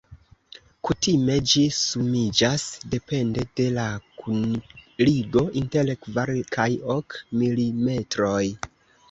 Kutime ĝi sumiĝas depende de la kunligo inter kvar kaj ok milimetroj.